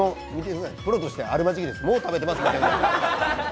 プロとしてあるまじきです、もう食べてますからね。